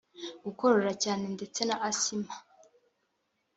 gukorora cyane ndetse na asima